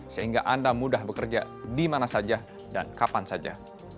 sehingga anda mudah bekerja di mana saja dan kapan saja